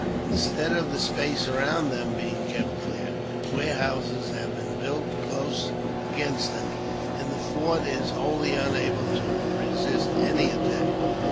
Instead of the space round them being kept clear, warehouses have been built close against them, and the fort is wholly unable to resist any attack.